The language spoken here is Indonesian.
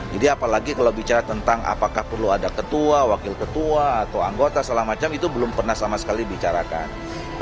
jadi apalagi kalau bicara tentang apakah perlu ada ketua wakil ketua atau anggota salah macam itu belum pernah sama sekali bicarakan